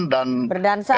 ya kita harus berjalan